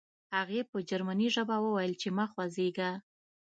هغې په جرمني ژبه وویل چې مه خوځېږه